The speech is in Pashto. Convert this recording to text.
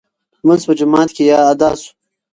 لمونځ په جومات کې ادا شو.